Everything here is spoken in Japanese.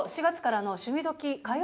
４月からの「趣味どきっ！」